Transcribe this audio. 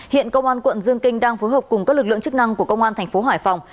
hiện công an quận dương kinh đang phối hợp cùng các lực lượng chức năng của công an thành phố hải phòng